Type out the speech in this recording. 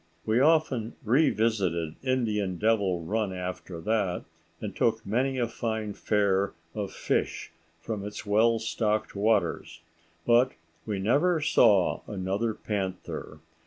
We often revisited Indian Devil Run after that, and took many a fine fare of fish from its well stocked waters, but we never saw another panther.